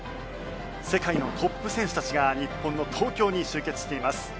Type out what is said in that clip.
世界のトップ選手たちが日本の東京に集結しています。